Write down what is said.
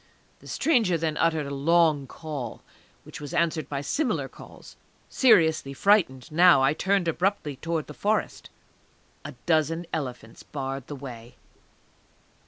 The stranger then uttered a long call, which was answered by similar calls. Seriously frightened now, I turned abruptly towards the Forest. A dozen elephants barred the way.